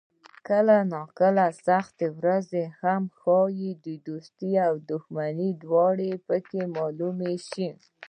کله کله سختې ورځې هم ښې وي، دوست او دښمن دواړه پکې معلوم شي.